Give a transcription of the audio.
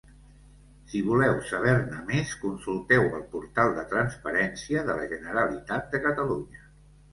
Si voleu saber-ne més, consulteu el Portal de Transparència de la Generalitat de Catalunya.